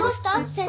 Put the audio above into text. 先生。